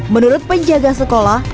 menurut penjaga sekolah